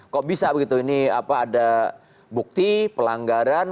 kok bisa begitu ini ada bukti pelanggaran